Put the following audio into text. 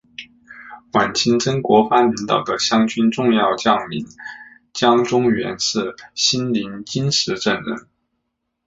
晚清曾国藩领导的湘军重要将领江忠源是新宁金石镇人。